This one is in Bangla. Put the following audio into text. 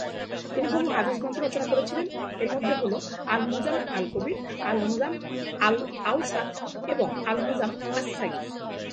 তিনি বহু হাদীস গ্রন্থ রচনা করেছিলেন, এর মধ্যে হল- আল-মু'জাম আল-কবির, আল-মুজাম আল-আওসাত এবং আল-মুজাম আস-সাগীর।